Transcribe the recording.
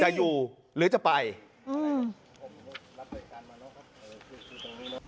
จะอยู่หรือจะไปอื้ม